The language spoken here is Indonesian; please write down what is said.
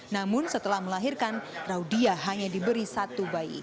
namun setelah melahirkan raudia hanya diberi satu bayi